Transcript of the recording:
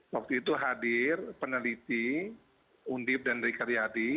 waktu itu hadir peneliti undib dan dari karyadi